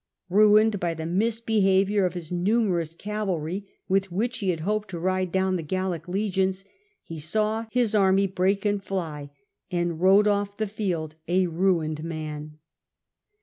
Ruined by the misbehaviour of his numtu ous cavalry, with which he had hoped to ride down the Gallic legions, he saw his army break and fly, and rode off the field a ruined man.